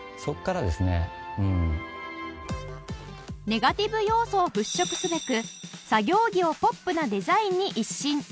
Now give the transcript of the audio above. ネガティブ要素を払拭すべく作業着をポップなデザインに一新